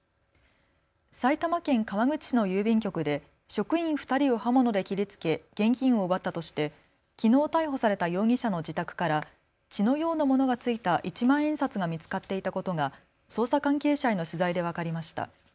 埼玉県川口市の郵便局で職員２人を刃物で切りつけ現金を奪ったとしてきのう逮捕された容疑者の自宅から血のようなものが付いた一万円札が見つかっていたことが捜査関係者への取材で分かりました。